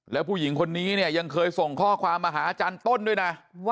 แล้วผู้หญิงคนนี้เนี่ยยังเคยส่งข้อความมาหาอาจารย์ต้นด้วยนะ